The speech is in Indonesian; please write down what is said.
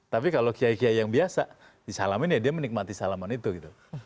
tapi kalau kiai kiai yang biasa disalamin ya dia menikmati salaman itu gitu